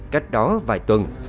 cách đó vài tuần